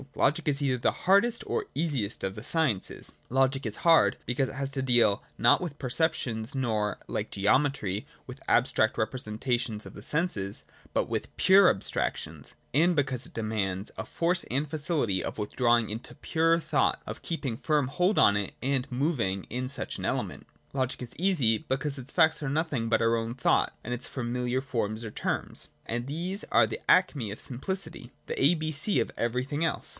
Logic is either the hardest or the easiest of the sciences. Logic is hard, because it has to deal not with perceptions, nor, like geometry, with abstract representations of the senses but with pure abstractions; and because it demands a force and facility of withdrawing into pure thouo ht of keeping firm hold on it, and of moving in such an 1 9.] LOGIC DEFINED. 31 element. Logic is easy, because its facts are nothing but our own thought and its familiar forms or terms : and these are the acme of simplicity, the a b c of every thing else.